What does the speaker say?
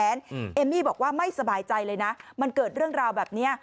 เอมมี่บอกว่าไม่สบายใจเลยนะมันเกิดเรื่องราวแบบนี้